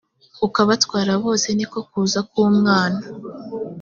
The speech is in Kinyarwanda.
ukabatwara bose ni ko no kuza k umwana